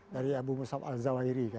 dari abu musab al zawahiri